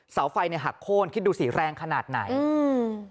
เสาไฟเนี้ยหักโค้นคิดดูสิแรงขนาดไหนอืม